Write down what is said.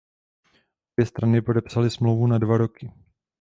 Obě strany podepsaly smlouvu na dva roky.